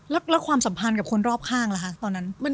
แล้วความสัมพันธ์กับคนรอบข้างล่ะคะตอนนั้น